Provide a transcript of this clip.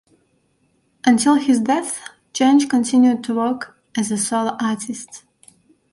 Until his death, Jansch continued to work as a solo artist.